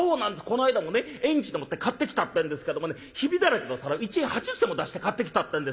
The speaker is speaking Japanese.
この間もね縁日でもって買ってきたってんですけどもねヒビだらけの皿を１円８０銭も出して買ってきたってんですよ。